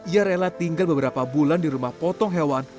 ia rela tinggal beberapa bulan di rumah potong hewan